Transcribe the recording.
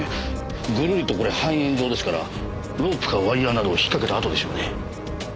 ぐるりとこれ半円状ですからロープかワイヤーなどをひっかけた跡でしょうね。